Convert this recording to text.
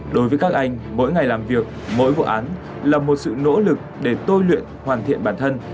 đối với các anh mỗi ngày làm việc mỗi vụ án là một sự nỗ lực để tôi luyện hoàn thiện bản thân